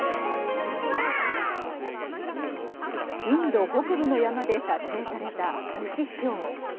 インド北部の山で撮影されたユキヒョウ。